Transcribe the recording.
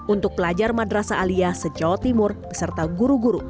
untuk pelajar madrasa alia se jawa timur beserta guru guru